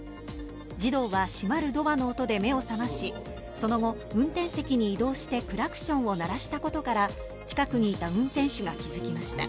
児童は閉まるドアの音で目を覚まし、その後、運転席に移動してクラクションを鳴らしたことから近くにいた運転手が気付きました。